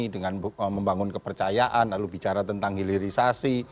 dengan membangun kepercayaan lalu bicara tentang hilirisasi